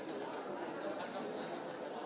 ขอบคุณครับ